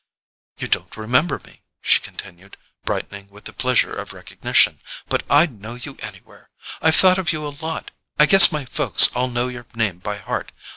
"You don't remember me," she continued, brightening with the pleasure of recognition, "but I'd know you anywhere, I've thought of you such a lot. I guess my folks all know your name by heart.